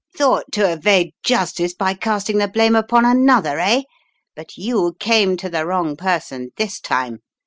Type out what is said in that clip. "Thought to evade justice by casting the blame upon another, eh? But you came to the wrong person this time.